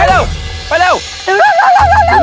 เร็ว